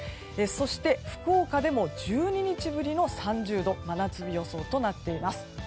そして、福岡でも１２日ぶりの３０度真夏日予想となっています。